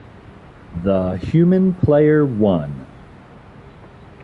The human player won.